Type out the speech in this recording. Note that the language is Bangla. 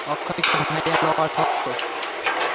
অক্ষয়কে ভাঙাইয়া লওয়া শক্ত।